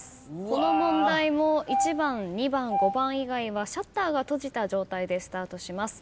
この問題も１番２番５番以外はシャッターが閉じた状態でスタートします。